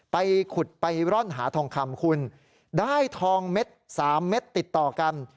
ไปขุดไปร่อนหาทองคำคุณได้ทองเม็ดสามเม็ดติดต่อกัน